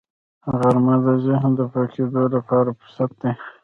غرمه د ذهن د پاکېدو لپاره فرصت دی